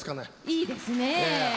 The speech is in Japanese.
いいですね。